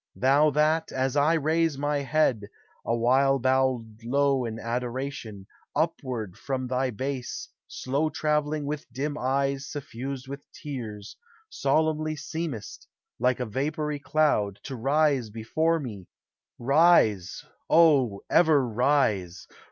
thou That, as I raise my head, awhile bowed low In adoration, upward from thy base Slow travelling with dim eyes suffused with tears, Solemnly seemest, like a vapory cloud, To rise before me, — Rise, O, ever rise!